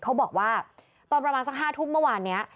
เขาบอกว่าตอนประมาณสัก๕ทุ่มเมื่อวานนี้